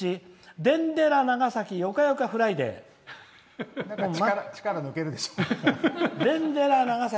「でんでら長崎よかよかフライデー」力、抜けるでしょ。